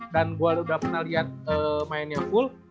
dan gue udah pernah liat mainnya full